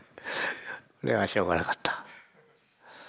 それはしょうがなかった。